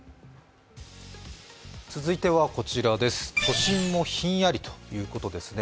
続いては、都心もひんやりということですね。